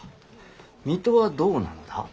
水戸はどうなのだ。